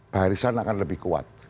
barisan akan lebih kuat